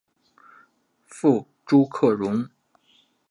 父朱克融。